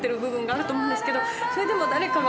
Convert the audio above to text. あると思うんですけどそれでも誰かが